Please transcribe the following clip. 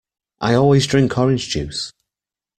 I always drink orange juice.